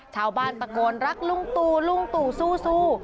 ชาวบ้านตะโกนรักลุงตู่ลุงตู่สู้